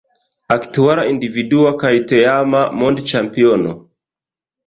Aktuala individua kaj teama mondĉampiono.